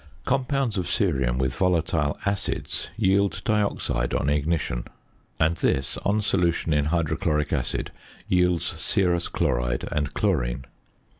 Compounds of cerium with volatile acids yield dioxide on ignition; and this, on solution in hydrochloric acid, yields cerous chloride and chlorine.